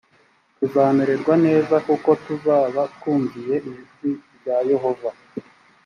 tuzamererwa neza kuko tuzaba twumviye ijwi rya yehova